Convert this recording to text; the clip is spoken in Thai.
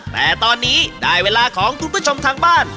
แต่ตอนนี้ได้เวลาของคุณผู้ชมทางบ้าน